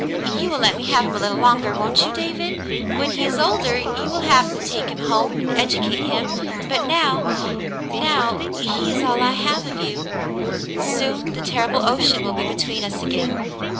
You will let me have him a little longer, won't you, David ? When he is older, you will have to take him home and educate him, but now — now — he is all I have of you. Soon the terrible ocean will be between us again.